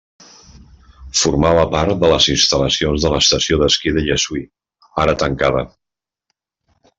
Formava part de les instal·lacions de l'Estació d'esquí de Llessui, ara tancada.